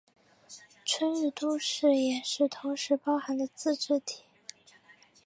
春日部市也是同时包含的自治体。